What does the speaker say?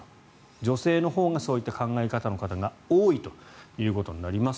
女性のほうがそういった考え方の方が多いということになります。